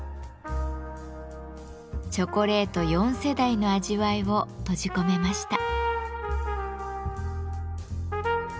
チョコレート４世代の味わいを閉じ込めました。